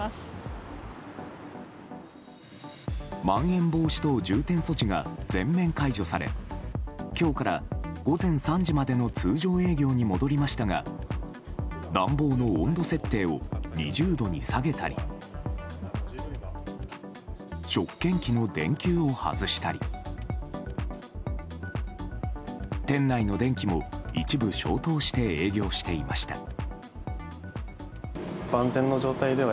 まん延防止等重点措置が全面解除され今日から午前３時までの通常営業に戻りましたが暖房の温度設定を２０度に下げたり食券機の電球を外したり店内の電気も一部消灯して営業していました。